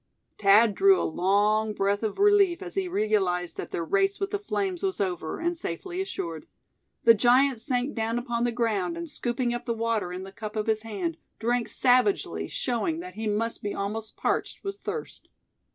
Thad drew a long breath of relief as he realized that their race with the flames was over, and safety assured. The giant sank down upon the ground, and scooping up the water in the cup of his hand, drank savagely, showing that he must be almost parched with thirst.